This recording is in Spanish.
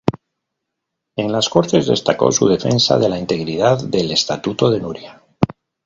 En las Cortes destacó su defensa de la integridad del Estatuto de Núria.